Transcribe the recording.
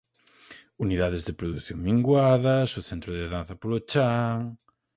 Unidades de produción minguadas, o Centro de Danza polo chan.